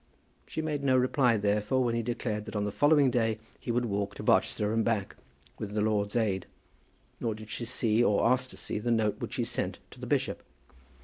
She made no reply therefore when he declared that on the following day he would walk to Barchester and back, with the Lord's aid; nor did she see, or ask to see the note which he sent to the bishop.